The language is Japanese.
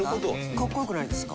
かっこ良くないですか？